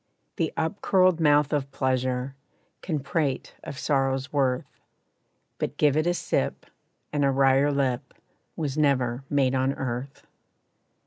The up curled mouth of pleasure, Can prate of sorrow's worth, But give it a sip, and a wryer lip, Was never made on earth.